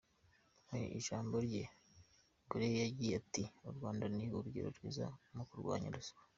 Mu ijambo rye, Gureye yagize ati,"U Rwanda ni urugero rwiza mu kurwanya ruswa.